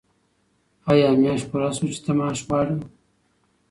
آیا میاشت پوره شوه چې ته معاش غواړې؟